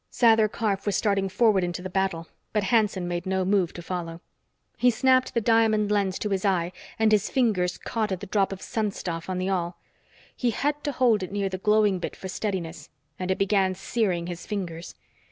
Sather Karf was starting forward into the battle, but Hanson made no move to follow. He snapped the diamond lens to his eye and his fingers caught at the drop of sun stuff on the awl. He had to hold it near the glowing bit for steadiness, and it began searing his fingers.